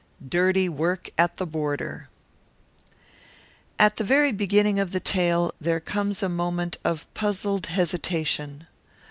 DIRTY WORK AT THE BORDER At the very beginning of the tale there comes a moment of puzzled hesitation.